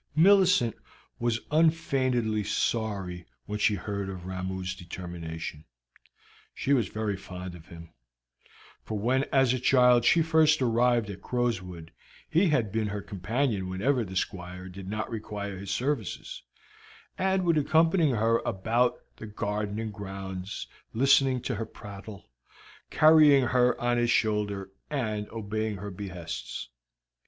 Millicent was unfeignedly sorry when she heard of Ramoo's determination; she was very fond of him, for when as a child she first arrived at Crowswood he had been her companion whenever the Squire did not require his services, and would accompany her about the garden and grounds, listening to her prattle, carrying her on his shoulder, and obeying her behests.